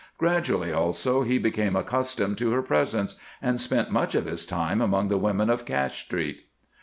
Gradually, also, he became accustomed to her presence, and spent much of his time among the women of Cash Street.